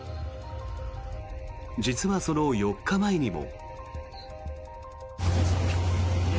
実はその４日前にも。